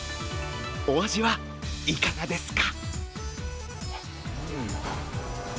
お味はいかがですか？